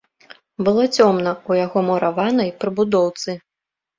Было цёмна ў яго мураванай прыбудоўцы.